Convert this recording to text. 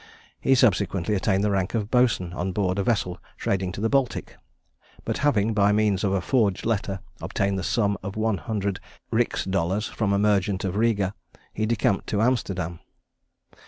He subsequently attained the rank of boatswain on board a vessel trading to the Baltic; but having, by means of a forged letter, obtained the sum of one hundred rix dollars from a merchant of Riga, he decamped to Amsterdam.